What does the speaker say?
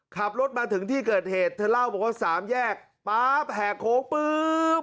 ขับรถมาถึงที่เกิดเหตุเธอเล่าบอกว่าสามแยกป๊าบแหกโค้งปุ๊บ